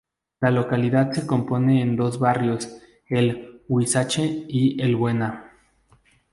La localidad se compone de dos barrios El Huizache y El Buena.